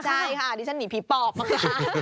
ใช่ค่ะดิฉันหนีผีปอบนะคะ